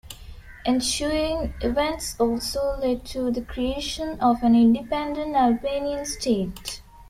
Ensuing events also led to the creation of an independent Albanian state.